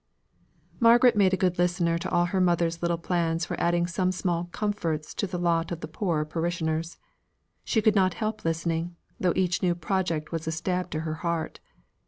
Margaret made a good listener to all her mother's little plans for adding some small comforts to the lot of the poorest parishioners. She could not help listening, though each new project was a stab to her heart.